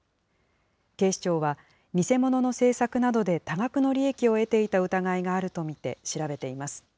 警視庁は、偽物の制作などで多額の利益を得ていた疑いがあると見て、調べています。